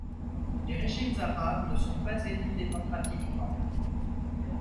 Les régimes arabes ne sont pas élus démocratiquement.